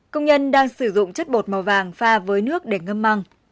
công nhân đang sử dụng chất bột màu vàng pha với nước để ngâm măng